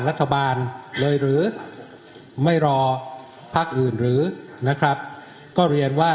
รัฐบาลเลยหรือไม่รอพักอื่นหรือนะครับก็เรียนว่า